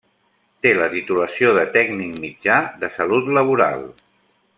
Té la titulació de tècnic mitjà de salut laboral.